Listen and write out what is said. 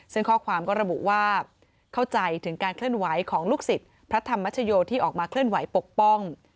ซึ่งข้อความก็ระบุว่าเข้าใจถึงการเคลื่อนไหวของลูกศิษย์พระธรรมชโยที่ออกมาเคลื่อนไหวปกป้อง